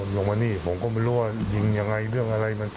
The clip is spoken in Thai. ยังไม่รู้เรื่องสักอย่าง